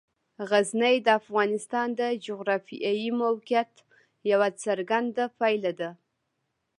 غزني د افغانستان د جغرافیایي موقیعت یوه څرګنده پایله ده.